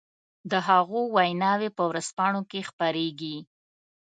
د هغو ويناوې په ورځپانو کې خپرېږي.